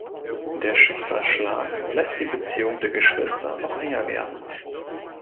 Der Schicksalsschlag lässt die Beziehung der Geschwister noch enger werden.